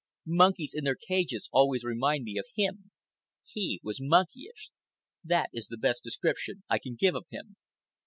Monkeys in their cages always remind me of him. He was monkeyish. That is the best description I can give of him.